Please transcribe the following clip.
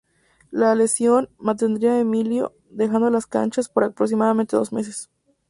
La lesión, mantendría a Emilio; alejado de las canchas, por aproximadamente dos meses.